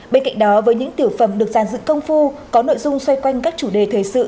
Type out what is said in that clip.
bên cạnh đó với những tiểu phẩm được giàn dựng công phu có nội dung xoay quanh các chủ đề thời sự